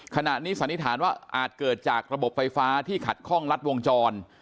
ขณะนี้สันนิษฐานว่าอาจเกิดจากระบบไฟฟ้าที่ขัดข้องรัดวงจร